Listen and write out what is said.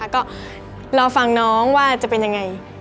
ก็รอฟังน้องว่าจะเป็นยังไง